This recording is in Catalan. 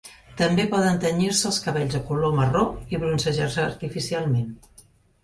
També poden tenyir-se els cabells de color marró i bronzejar-se artificialment.